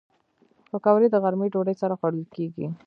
پکورې د غرمې ډوډۍ سره خوړل کېږي